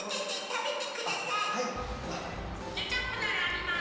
ケチャップならあります。